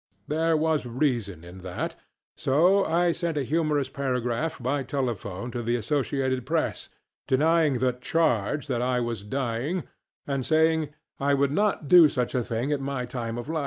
There was reason in that; so I sent a humorous paragraph by telephone to the Associated Press denying the ŌĆ£chargeŌĆØ that I was ŌĆ£dying, ŌĆØ and saying ŌĆ£I would not do such a thing at my time of life.